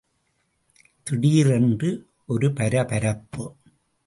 திடீரென்று ஒரு பரபரப்பு.